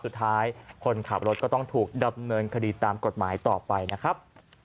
สุดท้ายคนขับรถก็ต้องถูกดำเนินคดีตามกฎหมายต่อไปนะครับ